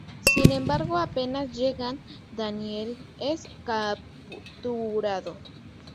Sin embargo apenas llegan Daniel es capturado.